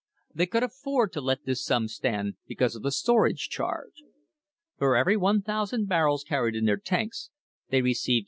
They could afford to let this sum stand because of the storage charge. For every 1,000 barrels carried in their tanks they received $6.